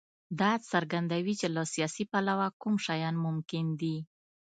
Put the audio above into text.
دا څرګندوي چې له سیاسي پلوه کوم شیان ممکن دي.